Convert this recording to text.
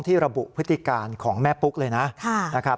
ที่ระบุพฤติการณ์ของแม่ปุ๊กเลยนะ